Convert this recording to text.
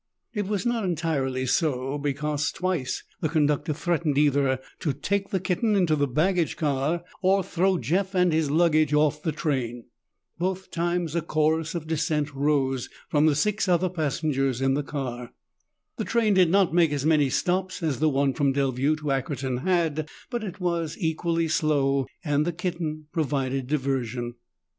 It was not entirely so because twice the conductor threatened either to take the kitten into the baggage car or throw Jeff and his luggage off the train. Both times a chorus of dissent rose from the six other passengers in the car. The train did not make as many stops as the one from Delview to Ackerton had, but it was equally slow and the kitten provided diversion.